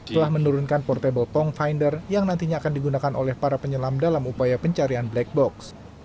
telah menurunkan portable tong finder yang nantinya akan digunakan oleh para penyelam dalam upaya pencarian black box